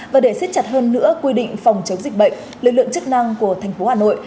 và để xét chặt hơn nữa quy định phòng chống dịch bệnh lực lượng chức năng của tp hà nội